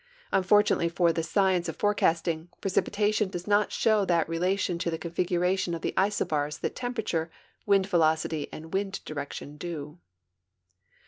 Unfortunately for the science of forecasting, precipi tation does not show that relation to the configuration of the isobars that temperature, wind velocity, and wind direction do.